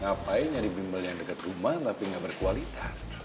ngapain nyari bimbel yang dekat rumah tapi nggak berkualitas